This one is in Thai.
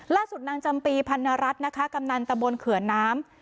ล่าสุดนางจำปีพันรัฐนะคะกำนันตะบนเขื่อนน้ำ